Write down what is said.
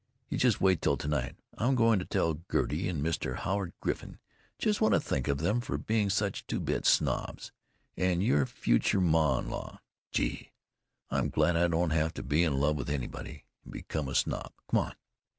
You just wait till to night. I'm going to tell Gertie and Mister Howard Griffin just what I think of them for being such two bit snobs. And your future ma in law. Gee! I'm glad I don't have to be in love with anybody, and become a snob!